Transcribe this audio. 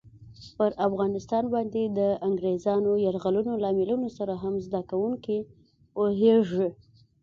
پر افغانستان باندې د انګریزانو یرغلونو لاملونو سره هم زده کوونکي پوهېږي.